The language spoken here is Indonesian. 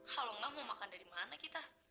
kalau nggak mau makan dari mana kita